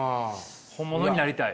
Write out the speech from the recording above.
本物になりたい。